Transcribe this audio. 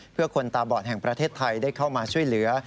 เพื่อคนตาบอดแห่งประเทศไทยได้เข้ามาช่วยเหลือ